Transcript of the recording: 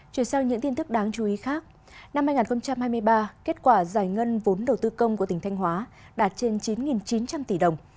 chuyển sang những tin tức đáng chú ý khác năm hai nghìn hai mươi ba kết quả giải ngân vốn đầu tư công của tỉnh thanh hóa đạt trên chín chín trăm linh tỷ đồng